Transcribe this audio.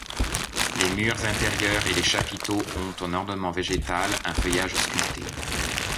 Les murs intérieurs et les chapiteaux ont un ornement végétal, un feuillage sculpté.